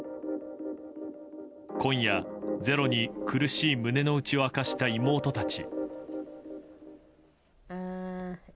今夜「ｚｅｒｏ」に苦しい胸の内を明かした妹たち。